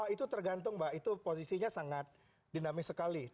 itu tergantung mbak itu posisinya sangat dinamis sekali